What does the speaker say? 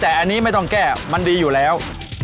แต่อันนี้ไม่ต้องแก้มันดีอยู่แล้ว